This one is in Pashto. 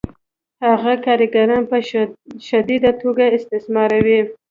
هغه کارګران په شدیده توګه استثماروي